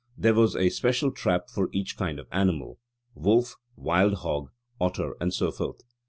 There was a special trap for each kind of animal wolf, wild hog, otter, and so forth.